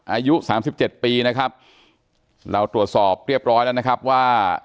อายุสามสิบเจ็ดปีนะครับเราตรวจสอบเรียบร้อยแล้วนะครับว่า